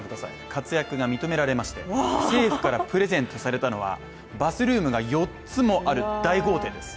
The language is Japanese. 活躍が認められまして政府からプレゼントされたのは、バスルームが四つもある大豪邸です。